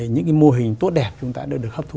những mô hình tốt đẹp chúng ta được hấp thú